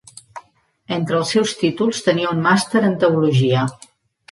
Entre els seus títols tenia un Màster en Teologia.